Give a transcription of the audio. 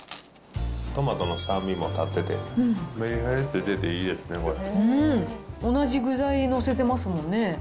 トマトの酸味もたってて、メリハリが出てていいですね、これ同じ具材載せてますもんね。